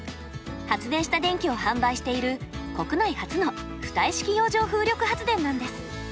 発電した電気を販売している国内初の浮体式洋上風力発電なんです。